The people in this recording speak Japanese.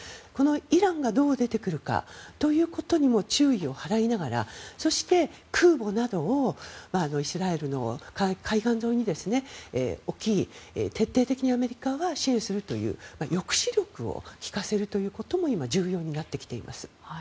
イランがどう出てくるかということにも注意を払いながらそして、空母などをイスラエルの海岸沿いに置き徹底的にアメリカは支援するという抑止力を利かせるということも今、重要になってきています。